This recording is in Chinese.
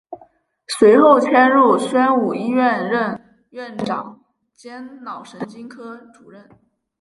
随后迁入宣武医院任院长兼脑神经科主任。